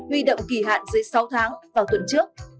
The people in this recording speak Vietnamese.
huy động kỳ hạn dưới sáu tháng vào tuần trước